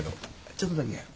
ちょっとだけや。